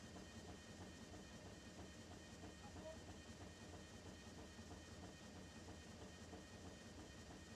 Hassan Sheikh Mohamud alimshukuru Rais Joe Biden katika ukurasa wa Twita siku ya Jumanne akiitaja Marekani